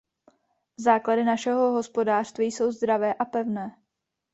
Základy našeho hospodářství jsou zdravé a pevné.